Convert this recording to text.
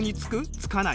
つかない。